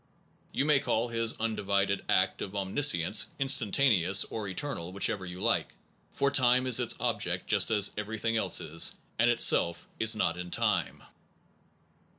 You may call his undivided act of omniscience instantaneous or eternal, whichever you like, for time is its ob ject just as everything else is, and itself is not in time.